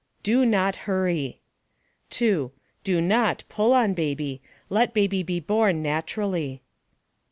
DO NOT hurry. 2. DO NOT pull on baby, let baby be born naturally.